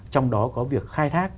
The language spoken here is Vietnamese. trong đó có việc khai thác